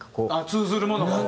通ずるものが？